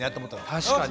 確かに。